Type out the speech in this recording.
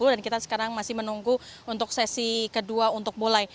dan kita sekarang masih menunggu untuk sesi kedua untuk mulai